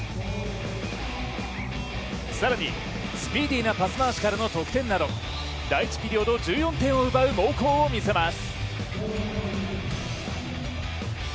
更にスピーディーなパス回しからの得点など第１ピリオド１４得点奪う猛攻を見せます。